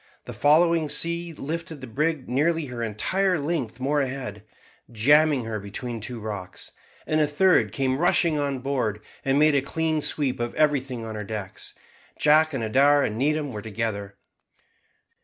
The following sea lifted the brig nearly her entire length more ahead, jamming her between two rocks, and a third came rushing on board, and made a clean sweep of everything on her decks. Jack and Adair and Needham were together.